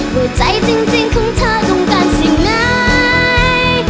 หัวใจจริงของเธอต้องการสิ่งไหน